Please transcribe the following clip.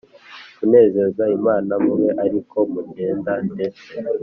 kunezeza Imana mube ari ko mugenda ndetse